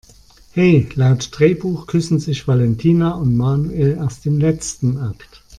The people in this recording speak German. He, laut Drehbuch küssen sich Valentina und Manuel erst im letzten Akt!